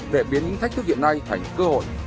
để biến những thách thức hiện nay thành cơ hội